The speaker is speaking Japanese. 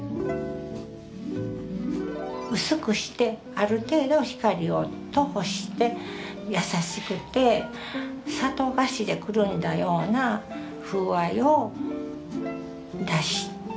薄くしてある程度光を通して優しくて砂糖菓子でくるんだような風合いを出してますので。